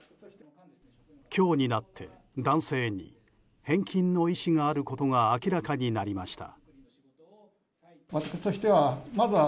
今日になって男性に返金の意思があることが明らかになりました。